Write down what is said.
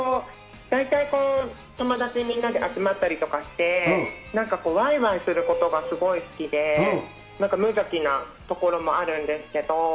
大体友達みんなで集まったりとかして、なんかわいわいすることがすごい好きで、無邪気なところもあるんですけど。